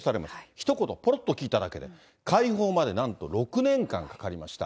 ひと言、ぽろっと聞いただけで、解放までなんと６年間かかりました。